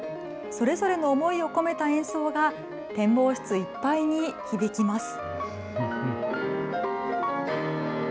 それぞれの思いを込めた演奏が展望室いっぱいに響きます。